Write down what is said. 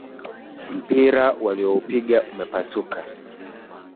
Mpira walioupiga umepasuka.